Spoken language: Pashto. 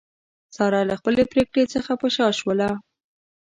ساره له خپلې پرېکړې څخه په شا شوله.